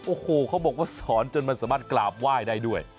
โอ้โหเขาบอกว่าสอนจนมันสามารถกราบไหว้ได้ด้วย